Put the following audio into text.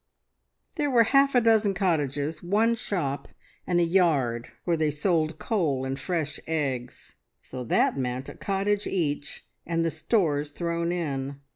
"There were half a dozen cottages, one shop, and a yard where they sold coal and fresh eggs. So that meant a cottage each, and the stores thrown in.